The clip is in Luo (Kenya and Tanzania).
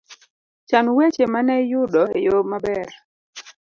Chan weche mane iyudo e yo maber